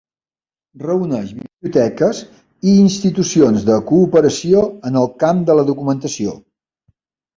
Reuneix biblioteques i institucions de cooperació en el camp de la documentació.